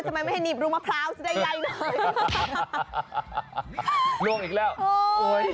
ทำไมไม่ให้หนีบรูมาพร้าวจะได้ใหญ่หน่อย